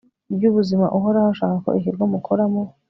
RyubuzimaUhoraho ashaka ko ikigo mukoramo